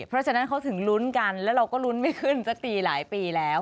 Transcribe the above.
เพราะฉะนั้นเขาถึงลุ้นกันแล้วเราก็ลุ้นไม่ขึ้นสักทีหลายปีแล้ว